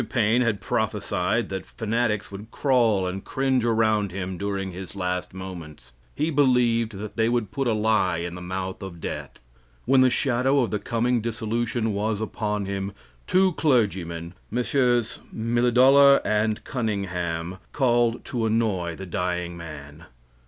Mr. Paine had prophesied that fanatics would crawl and cringe around him during his last moments. He believed that they would put a lie in the mouth of death. When the shadow of the coming dissolution was upon him, two clergymen, Messrs. Milledollar and Cunningham, called to annoy the dying man.